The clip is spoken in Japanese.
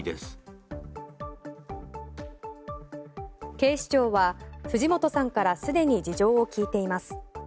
警視庁は藤本さんからすでに事情を聞いています。